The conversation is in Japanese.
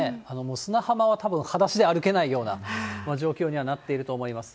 砂浜はたぶん、はだしで歩けないような状況にはなっていると思います。